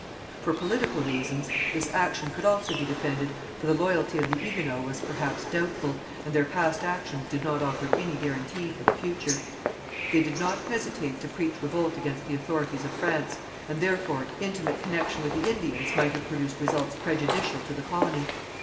For political reasons this action could also be defended, for the loyalty of the Huguenots was, perhaps, doubtful, and their past actions did not offer any guarantee for the future. They did not hesitate to preach revolt against the authorities of France, and, therefore, intimate connection with the Indians might have produced results prejudicial to the colony.